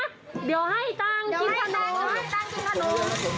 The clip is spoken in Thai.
เดี๋ยวให้กลางกินขนม